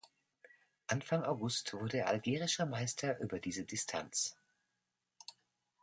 Anfang August wurde er Algerischer Meister über diese Distanz.